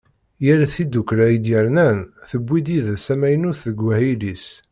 Yal tiddukkla i d-yernan, tewwi-d yid-s amaynut deg wahil-is.